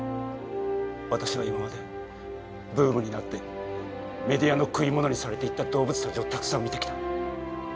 私は今までブームになってメディアの食い物にされていった動物たちをたくさん見てきた。